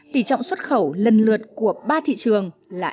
tỷ trọng xuất khẩu lần lượt của ba thị trường là chín